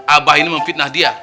abah ini memfitnah dia